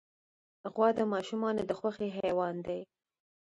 غوا د ماشومانو د خوښې حیوان دی.